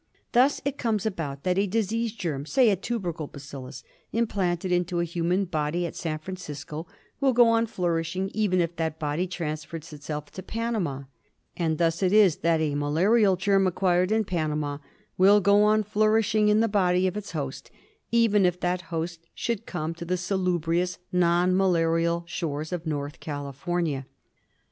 Thus it comes about that a disease germ, say a tubercle bacillus, implanted into a human body at San Francisco will go on flourishing even if that body transfers itself to Panama ; and thus it is that a malarial germ acquired in Panama will go on flourishing in the body of its host even if that host should come to the salubrious non malarial shores of North California.